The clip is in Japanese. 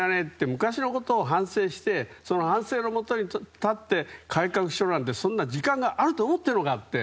昔のことを反省してその反省のもとに立って改革しろなんてそんな時間があると思っているのかって。